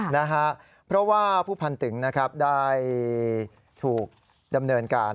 นะฮะเพราะว่าผู้พันตึงนะครับได้ถูกดำเนินการ